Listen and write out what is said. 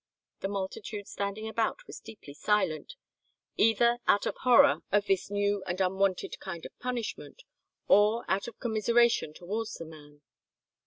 The multitude standing about was deeply silent, either out of horror of this new and unwonted kind of punishment, or out of commiseration towards the man.